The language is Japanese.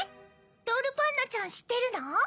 ロールパンナちゃんしってるの？